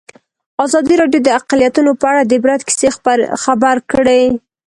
ازادي راډیو د اقلیتونه په اړه د عبرت کیسې خبر کړي.